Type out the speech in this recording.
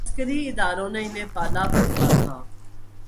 عسکری اداروں نے انہیں پالا پوسا تھا۔